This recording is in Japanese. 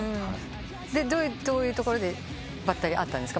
でどういうところでばったり会ったんですか？